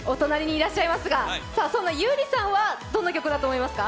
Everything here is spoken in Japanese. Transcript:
その優里さんはどの曲だと思いますか？